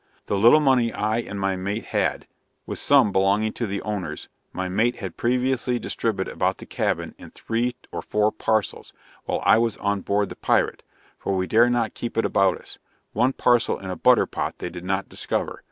The little money I and my mate had, with some belonging to the owners, my mate had previously distributed about the cabin in three or four parcels, while I was on board the pirate, for we dare not keep it about us; one parcel in a butter pot they did not discover.